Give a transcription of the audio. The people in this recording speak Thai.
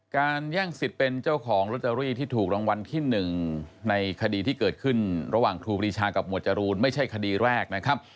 แย่งสิทธิ์เป็นเจ้าของลอตเตอรี่ที่ถูกรางวัลที่๑ในคดีที่เกิดขึ้นระหว่างครูปรีชากับหมวดจรูนไม่ใช่คดีแรกนะครับ